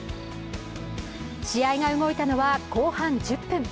試合が動いたのは後半１０分。